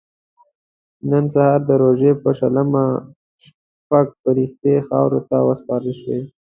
نن سهار د روژې په شلمه شپږ فرښتې خاورو ته وسپارل شوې.